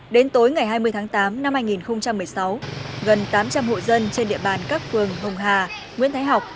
đến tối ngày hai mươi tháng tám năm hai nghìn một mươi sáu gần tám trăm linh hộ dân trên địa bàn các phường hồng hà nguyễn thái học